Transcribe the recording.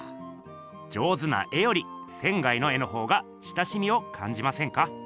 上手な絵より仙の絵のほうが親しみをかんじませんか？